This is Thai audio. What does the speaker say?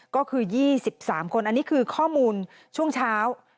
ก็คือ๒๓คนอันนี้คือข้อมูลช่วงเช้า